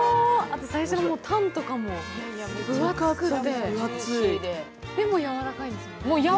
最初のパンとかも分厚くて、でもやわらかいんですよね？